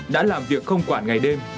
đã làm việc không quản ngày đêm